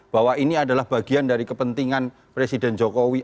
bahwa ini adalah bagian dari kepentingan presiden jokowi